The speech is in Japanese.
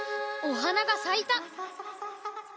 おはながさいた。